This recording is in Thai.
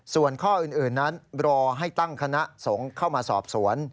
ส่วนข้ออื่นนั้นรอให้ตั้งคณะสงฆ์เข้ามาสอบสวน